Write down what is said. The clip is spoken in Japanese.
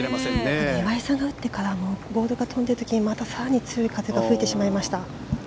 岩井さんが打ってからもボールが飛んでいる時にまた更に強い風が吹いてしまいました。